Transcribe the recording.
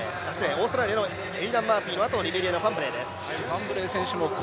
オーストラリアのエイダン・マーフィーのあとファンブレー選手です。